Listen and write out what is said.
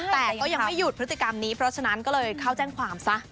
แต่ก็ยังไม่หยุดพฤติกรรมนี้เพราะฉะนั้นก็เลยเข้าแจ้งความซะ